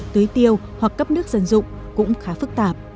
tưới tiêu hoặc cấp nước dân dụng cũng khá phức tạp